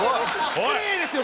失礼ですよ